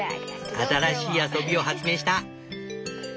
新しい遊びを発明した。